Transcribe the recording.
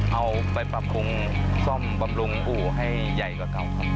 เอาไปปรับปรุงซ่อมบำรุงอู่ให้ใหญ่กว่าเก่าครับ